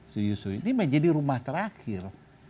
suyusui ini menjadi rumah terakhir